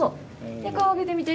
で顔上げてみて。